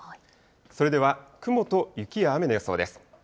それでは雲と雪や雨の予想です。